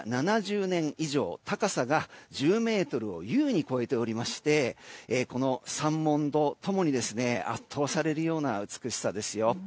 樹齢が７０年以上高さが１０ｍを優に超えておりましてこの山門と共に圧倒されるような美しさですよ。